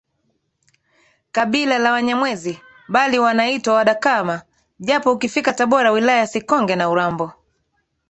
kabila la Wanyamwezi bali wanaitwa Wadakama Japo ukifika Tabora wilaya ya Sikonge na Urambo